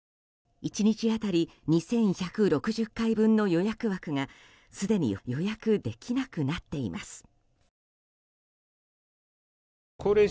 １日当たり２１６０回分の予約枠がすでに予約できなくなっています。